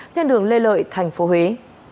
trên đường lê lợi thành phố huế